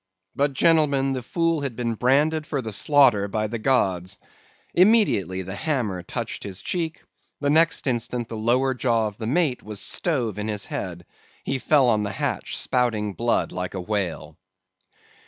But, gentlemen, the fool had been branded for the slaughter by the gods. Immediately the hammer touched the cheek; the next instant the lower jaw of the mate was stove in his head; he fell on the hatch spouting blood like a whale.